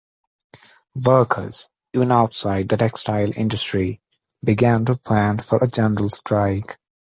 Workers, even outside the textile industry, began to plan for a general strike.